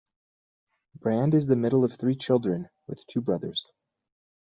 Brand is the middle of three children, with two brothers.